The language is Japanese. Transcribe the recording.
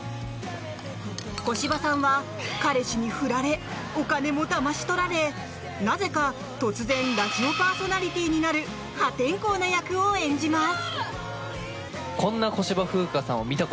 小芝さんは、彼氏に振られお金もだまし取られなぜか突然ラジオパーソナリティーになる破天荒な役を演じます。